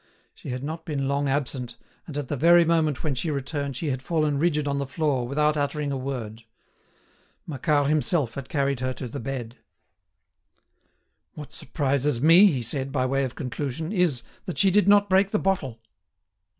She had not been long absent, and at the very moment when she returned she had fallen rigid on the floor without uttering a word. Macquart himself had carried her to the bed. "What surprises me," he said, by way of conclusion, "is, that she did not break the bottle."